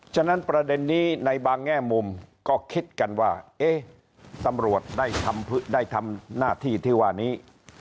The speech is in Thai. ฉะนั้นประเด็นนี้ในบางแง่มุมก็คิดกันว่าเอ๊ะตำรวจได้ทำหน้าที่ที่ว่านี้